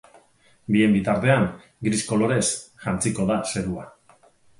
Bien bitartean, gris kolorez jantziko da zerua.